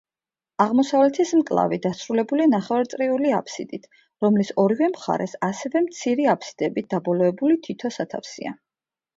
აღმოსავლეთის მკლავი დასრულებულია ნახევარწრიული აფსიდით, რომლის ორივე მხარეს ასევე მცირე აფსიდებით დაბოლოებული თითო სათავსია.